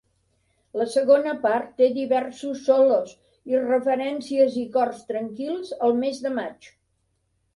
La segona part té diversos solos i referències i cors tranquils al mes de maig.